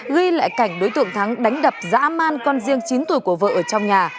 ghi lại cảnh đối tượng thắng đánh đập dã man con riêng chín tuổi của vợ ở trong nhà